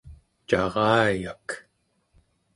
carayak